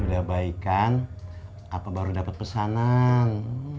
udah baik kan apa baru dapat pesanan